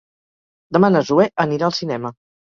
Demà na Zoè anirà al cinema.